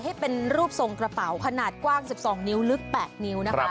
ให้เป็นรูปทรงกระเป๋าขนาดกว้าง๑๒นิ้วลึก๘นิ้วนะคะ